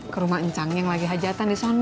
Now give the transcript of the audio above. ke rumah encang yang lagi hajatan disana